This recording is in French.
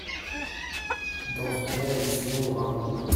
Dans ce cas, la décision aura un coût.